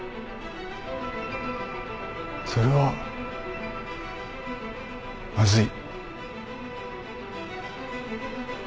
それはまずい。